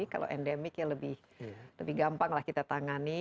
kalau endemik ya lebih gampang lah kita tangani